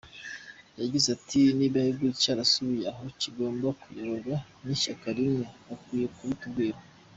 Yagize ati “Niba igihugu cyarasubiye aho kigomba kuyoborwa n’ishyaka rimwe, bakwiye kubitubwira.